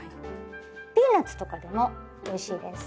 ピーナツとかでもおいしいです。